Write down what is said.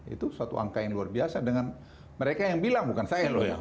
itu suatu angka yang luar biasa dengan mereka yang bilang bukan saya loh ya